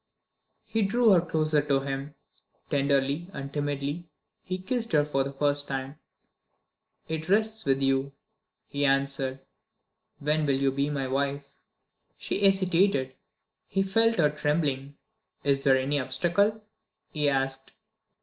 He drew her closer to him: tenderly and timidly he kissed her for the first time. "It rests with you," he answered. "When will you be my wife?" She hesitated; he felt her trembling. "Is there any obstacle?" he asked.